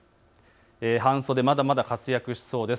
半袖、まだまだ活躍しそうです。